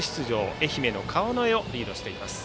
愛媛の川之江をリードしています。